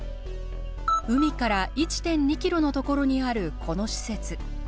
海から１．２キロのところにあるこの施設。